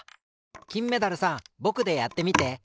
きんメダルさんぼくでやってみて。